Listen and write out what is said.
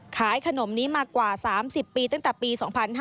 ขายขนมนี้มากว่า๓๐ปีตั้งแต่ปี๒๕๕๙